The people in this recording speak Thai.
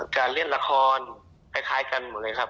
การเล่นละครคล้ายกันหมดเลยครับ